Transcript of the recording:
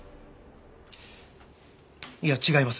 いや違います。